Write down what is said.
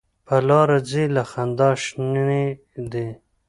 په لاره ځي له خندا شینې دي.